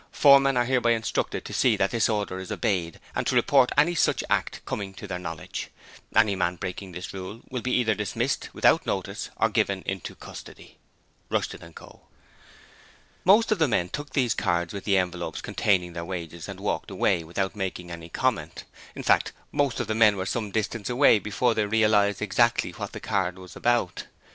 Foremen are hereby instructed to see that this order is obeyed and to report any such act coming to their knowledge. Any man breaking this rule will be either dismissed without notice or given into custody. Rushton & Co. Most of the men took these cards with the envelopes containing their wages and walked away without making any comment in fact, most of them were some distance away before they realized exactly what the card was about.